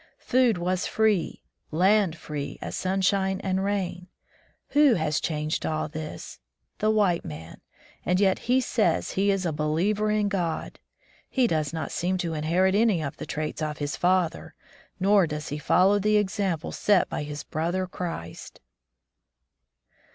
Food was free, land free as sunshine and rain. Who has changed all this? The white man; and yet he says he is a be liever in God! He does not seem to inherit any of the traits of his Father, nor does he follow the example set by his brother Christ."